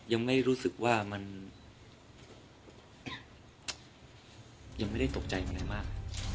ยังไม่รู้สึกว่ามันยังไม่ได้ตกใจอะไรมาก